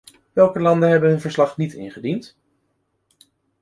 Welke landen hebben hun verslag niet ingediend?